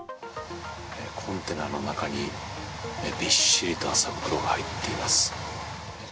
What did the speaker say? コンテナの中にびっしりと麻袋が入っています。